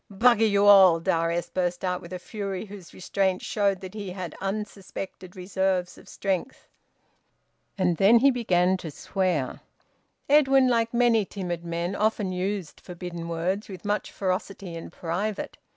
"Bugger you all!" Darius burst out with a fury whose restraint showed that he had unsuspected reserves of strength. And then he began to swear. Edwin, like many timid men, often used forbidden words with much ferocity in private.